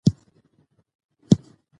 دښتې د فرهنګي فستیوالونو برخه ده.